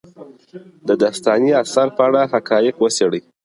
د داستاني اثر په اړه حقایق وڅېړئ.